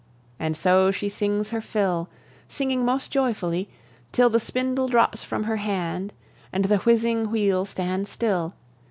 And so she sings her fill, Singing most joyfully, Till the spindle drops from her hand, And the whizzing wheel stands still.